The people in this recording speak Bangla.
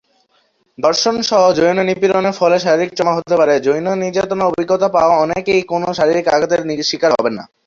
ধর্ষণ সহ যৌন নিপীড়নের ফলে শারীরিক ট্রমা হতে পারে, যৌন নির্যাতনের অভিজ্ঞতা পাওয়া অনেকেই কোনও শারীরিক আঘাতের শিকার হবেন না।